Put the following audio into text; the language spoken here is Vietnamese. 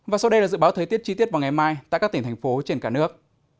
và sau đây là dự báo thời tiết chi tiết vào ngày mai tại các tỉnh thành phố trên cả nước